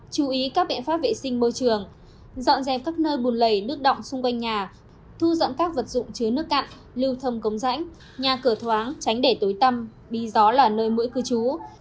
chú ý các bệnh pháp vệ sinh môi trường dọn dẹp các nơi bùn lầy nước đọng xung quanh nhà thu dọn các vật dụng chứa nước cạn lưu thâm cống rãnh nhà cửa thoáng tránh để tối tâm bi gió là nơi mũi cư trú